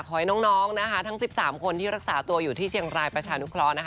ขอให้น้องนะคะทั้ง๑๓คนที่รักษาตัวอยู่ที่เชียงรายประชานุเคราะห์นะคะ